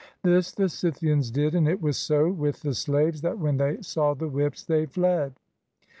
This the Scythians did, and it was so with the slaves, that when they saw the whips they fled.